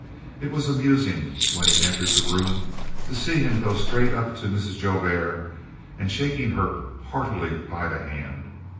It was amusing, when he entered the room, to see him going straight up to Mrs. Joubert and shaking her heartily by the hand.